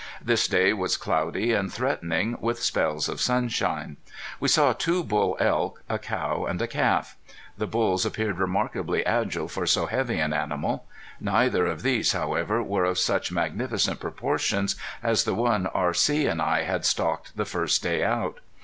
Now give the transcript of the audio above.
This day was cloudy and threatening, with spells of sunshine. We saw two bull elk, a cow and a calf. The bulls appeared remarkably agile for so heavy an animal. Neither of these, however, were of such magnificent proportions as the one R.C. and I had stalked the first day out.